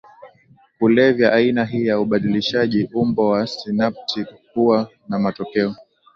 kulevya Aina hii ya ubadilishaji umbo wa sinapti huwa na matokeo